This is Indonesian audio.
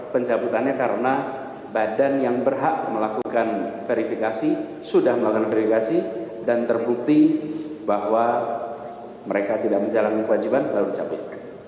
pencabutannya karena badan yang berhak melakukan verifikasi sudah melakukan verifikasi dan terbukti bahwa mereka tidak menjalani kewajiban baru dicabut